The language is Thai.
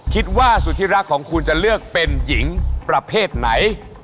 คิดว่าสุธิรักของคุณจะเลือกเป็นหญิงประเภทไหน